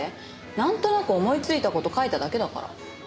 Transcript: なんとなく思いついた事書いただけだから。